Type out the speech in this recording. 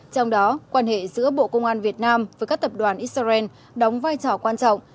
trong đó quan hệ giữa bộ công an việt nam với các tập đoàn israel đóng vai trò quan trọng